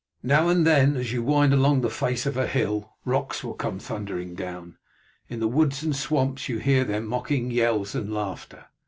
"Now and then, as you wind along the face of a hill, rocks will come thundering down; in the woods and swamps you hear their mocking yells and laughter.